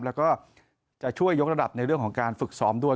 แล้วก็จะช่วยยกระดับในเรื่องของการฝึกซ้อมด้วย